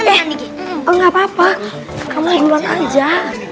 eh gapapa kamu duluan aja